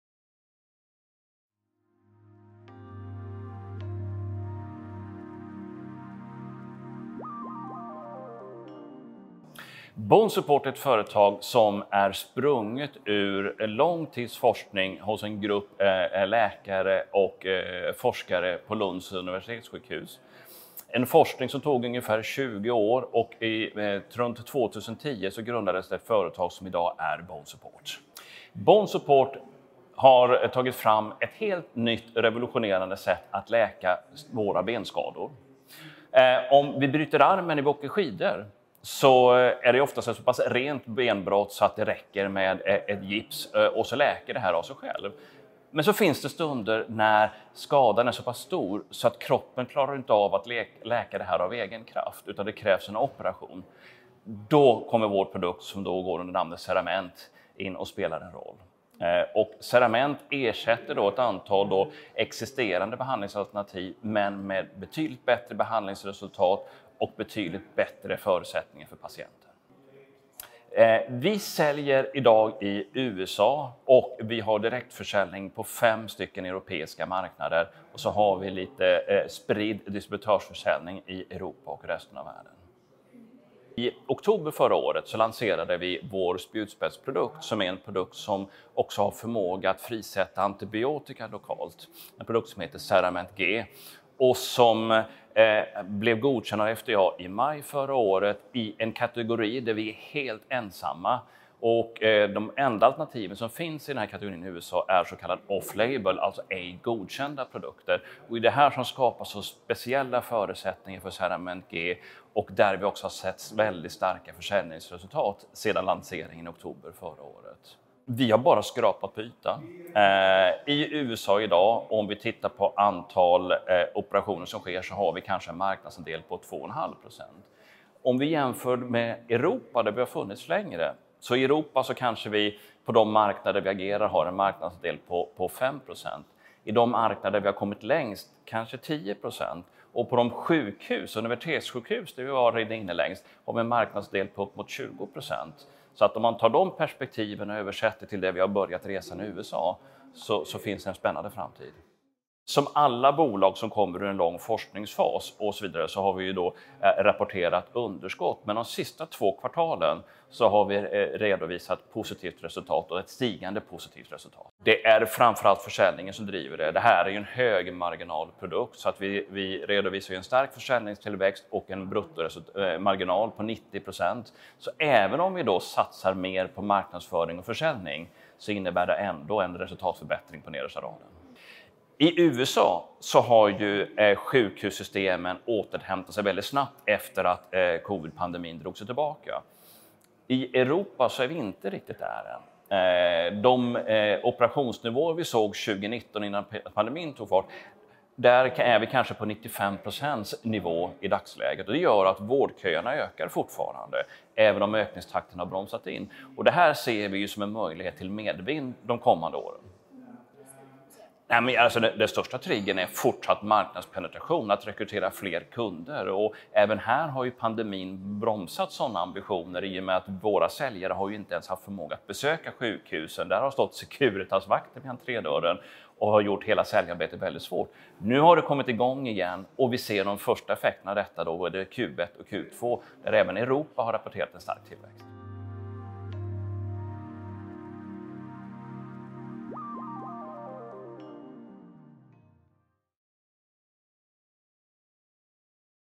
Bone Support är ett företag som är sprunget ur lång tids forskning hos en grupp läkare och forskare på Lunds Universitetssjukhus. En forskning som tog ungefär tjugo år och runt 2010 så grundades det företag som idag är Bone Support. Bone Support har tagit fram ett helt nytt revolutionerande sätt att läka svåra benskador. Om vi bryter armen i backen skidor så är det oftast ett så pass rent benbrott så att det räcker med ett gips och så läker det här av sig själv. Men så finns det stunder när skadan är så pass stor så att kroppen klarar inte av att läka det här av egen kraft, utan det krävs en operation. Då kommer vår produkt, som då går under namnet Cerament, in och spelar en roll. Och Cerament ersätter då ett antal då existerande behandlingsalternativ, men med betydligt bättre behandlingsresultat och betydligt bättre förutsättningar för patienten. Vi säljer i dag i USA och vi har direktförsäljning på fem stycken europeiska marknader och så har vi lite spridd distributörsförsäljning i Europa och resten av världen. I oktober förra året så lanserade vi vår spjutspetsprodukt, som är en produkt som också har förmåga att frisätta antibiotika lokalt, en produkt som heter Cerament G och som blev godkänd av FDA i maj förra året i en kategori där vi är helt ensamma och de enda alternativen som finns i den här kategorin i USA är så kallad off label, alltså ej godkända produkter. Det är det här som skapar så speciella förutsättningar för Cerament G och där vi också har sett väldigt starka försäljningsresultat sedan lanseringen i oktober förra året. Vi har bara skrapat på ytan. I USA idag, om vi tittar på antal operationer som sker, så har vi kanske en marknadsandel på 2,5%. Om vi jämför med Europa, där vi har funnits längre, så i Europa så kanske vi på de marknader vi agerar har en marknadsandel på 5%. I de marknader vi har kommit längst, kanske 10%. På de sjukhus, universitetssjukhus, där vi var redan inne längst, har vi en marknadsdel på upp mot 20%. Om man tar de perspektiven och översätter till det vi har börjat resan i USA, så finns en spännande framtid. Som alla bolag som kommer ur en lång forskningsfas och så vidare, så har vi ju då rapporterat underskott. Men de sista två kvartalen så har vi redovisat positivt resultat och ett stigande positivt resultat. Det är framför allt försäljningen som driver det. Det här är ju en högmarginalprodukt, så att vi redovisar en stark försäljningstillväxt och en bruttomarginal på 90%. Även om vi då satsar mer på marknadsföring och försäljning, så innebär det ändå en resultatförbättring på nedersta raden. I USA så har sjukhussystemen återhämtat sig väldigt snabbt efter att covid-pandemin drog sig tillbaka. I Europa så är vi inte riktigt där än. De operationsnivåer vi såg 2019 innan pandemin tog fart, där är vi kanske på 95% nivå i dagsläget och det gör att vårdköerna ökar fortfarande, även om ökningstakten har bromsat in. Det här ser vi som en möjlighet till medvind de kommande åren. Den största triggern är fortsatt marknadspenetration, att rekrytera fler kunder. Även här har pandemin bromsat sådana ambitioner i och med att våra säljare inte ens haft förmåga att besöka sjukhusen. Där har stått Securitasvakter vid entrédörren och har gjort hela säljarbetet väldigt svårt. Nu har det kommit igång igen och vi ser de första effekterna av detta, då både Q1 och Q2, där även Europa har rapporterat en stark tillväxt.